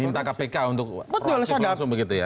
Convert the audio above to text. minta kpk untuk pro aktif langsung begitu ya